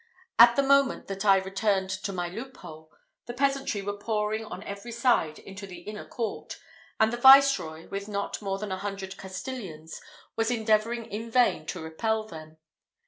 At the moment that I returned to my loophole, the peasantry were pouring on every side into the inner court; and the Viceroy, with not more than a hundred Castilians, was endeavouring in vain to repel them.